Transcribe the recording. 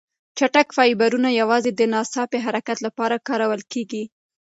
چټک فایبرونه یوازې د ناڅاپي حرکت لپاره کارول کېږي.